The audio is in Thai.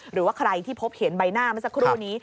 หรือว่าใครที่พบเห็นใบหน้าเมื่อสักครู่นี้